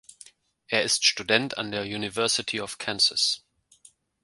Er ist Student an der University of Kansas.